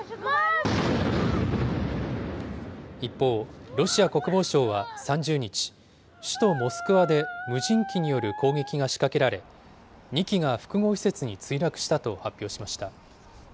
一方、ロシア国防省は３０日、首都モスクワで無人機による攻撃が仕掛けられ、２機が複合施設に墜落したと発表しました。